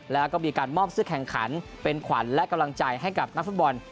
แล้วก็มีการมอบเสื้อแข่งขันเป็นขวัญและกำลังใจให้กับนักฟุตบอล